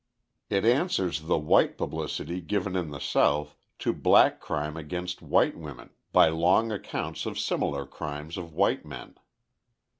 It answers the white publicity given in the South to black crime against white women by long accounts of similar crimes of white men.